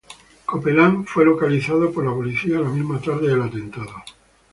Copeland fue localizado por la policía la misma tarde del atentado.